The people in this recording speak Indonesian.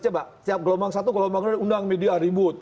coba tiap gelombang satu gelombang kedua diundang media ribut